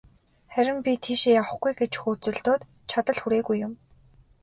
Харин би тийшээ явахгүй гэж хөөцөлдөөд, чадал хүрээгүй юм.